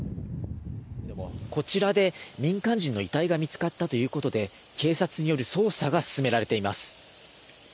こちらで民間人の遺体が見つかったということで警察による捜査が進められています。